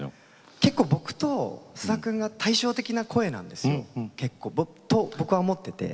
結構、僕と菅田君が対照的な声なんですよ。と、僕は思ってて。